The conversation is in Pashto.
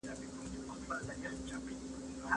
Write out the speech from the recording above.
دغه کوچنی چي دی د پوهني په مابينځ کي خورا لېوال دی.